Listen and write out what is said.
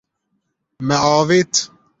Me avêt.